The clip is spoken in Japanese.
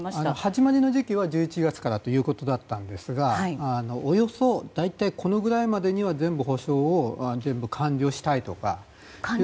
始まりは１１月の時期ということでしたがおよそ、大体このぐらいまでには補償を全部完了したいとか。